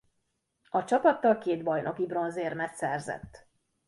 A csapattal két bajnoki bronzérmet szerzett.